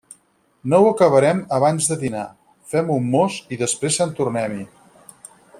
No ho acabarem abans de dinar. Fem un mos i després sant tornem-hi!